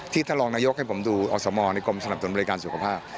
ท่านรองนายกให้ผมดูอสมในกรมสนับสนุนบริการสุขภาพ